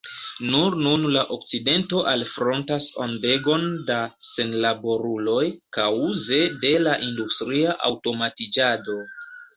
Nur nun la okcidento alfrontas ondegon da senlaboruloj kaŭze de la industria aŭtomatiĝado.